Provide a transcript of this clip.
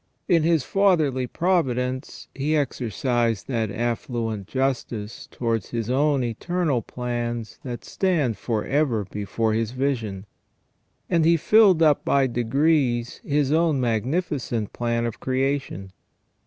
In His fatherly providence, He exercised that affluent justice towards His own eternal plans that stand for ever before His vision ; and He filled up by degrees His own magnificent plan of creation.